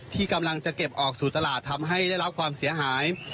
ที่กำลังจะเก็บออกสู่ตลาดทำให้ได้รับความเสียหาย